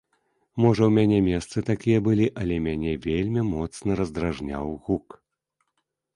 Можа ў мяне месцы такія былі, але мяне вельмі моцна раздражняў гук.